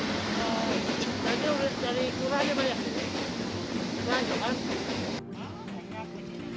jadi udah dari rumah aja banyak